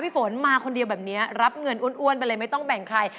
ฝนมาคนเดียวแบบนี้รับเงินอ้วนไปเลยไม่ต้องแบ่งใคร